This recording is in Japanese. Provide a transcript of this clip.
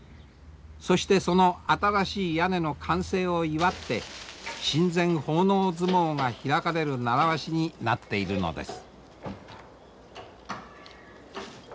そしてその新しい屋根の完成を祝って神前奉納相撲が開かれる習わしになっているのです。